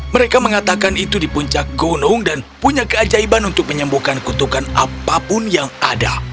mereka mengatakan itu di puncak gunung dan punya keajaiban untuk menyembuhkan kutukan apapun yang ada